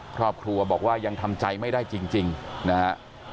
ครอบครัวบอกว่ายังทำใจไม่ได้จริงนะฮะ